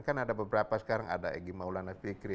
kan ada beberapa sekarang ada egy maulana fikri